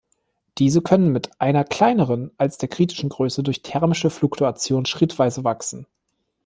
Diese können mit einer kleineren als der kritischen Größe durch thermische Fluktuation schrittweise wachsen.